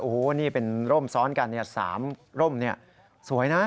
โอ้โหนี่เป็นร่มซ้อนกัน๓ร่มสวยนะ